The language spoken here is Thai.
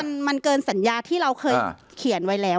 มันเกินสัญญาที่เราเคยเขียนไว้แล้ว